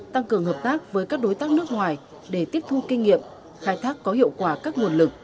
tăng cường hợp tác với các đối tác nước ngoài để tiếp thu kinh nghiệm khai thác có hiệu quả các nguồn lực